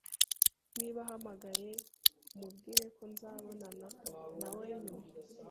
Niba ahamagaye, umubwire ko nzabonana nawe nyuma.